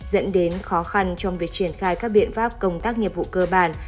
dẫn đến khó khăn trong việc triển khai các biện pháp công tác nghiệp vụ cơ bản